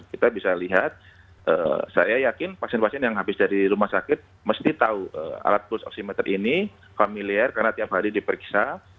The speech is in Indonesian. kita bisa lihat saya yakin pasien pasien yang habis dari rumah sakit mesti tahu alat pulse oximeter ini familiar karena tiap hari diperiksa